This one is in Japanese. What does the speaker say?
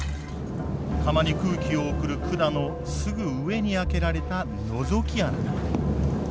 釜に空気を送る管のすぐ上に開けられたのぞき穴だ。